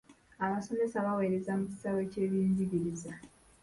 Abasomesa bawereza mu kisawe ky'ebyenjigiriza.